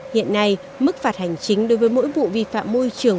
hiện nay mức phạt hành chính đối với mỗi vụ vi phạm môi trường